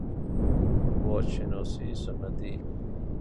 واجشناسی سنتی